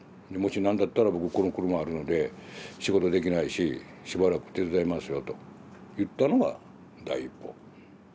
「もし何だったら僕この車あるので仕事できないししばらく手伝いますよ」と言ったのが第一歩。